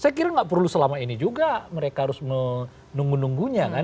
saya kira nggak perlu selama ini juga mereka harus menunggu nunggunya kan